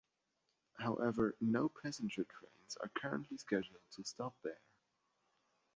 However, no passenger trains are currently scheduled to stop there.